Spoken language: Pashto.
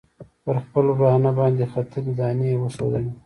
پر خپل ورانه باندې ختلي دانې یې وښودلې.